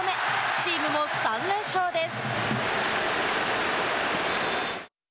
チームも３連勝です。